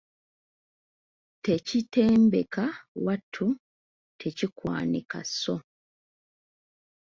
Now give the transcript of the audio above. Tekitembeka wattu tekikwanika sso.